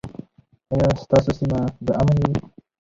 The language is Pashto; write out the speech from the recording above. ایا ستاسو سیمه به امن وي؟